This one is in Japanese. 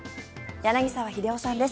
柳澤秀夫さんです。